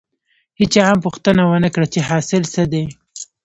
هېچا هم پوښتنه ونه کړه چې حاصل څه دی.